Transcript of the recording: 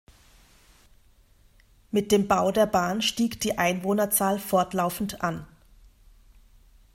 Mit dem Bau der Bahn stieg die Einwohnerzahl fortlaufend an.